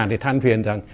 thì than phiền rằng